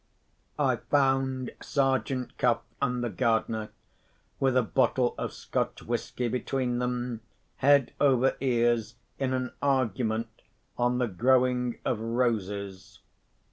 I found Sergeant Cuff and the gardener, with a bottle of Scotch whisky between them, head over ears in an argument on the growing of roses.